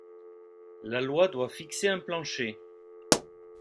La loi doit fixer un plancher.